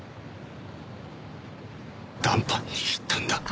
談判に行ったんだ。